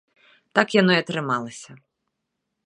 Так яно і атрымалася.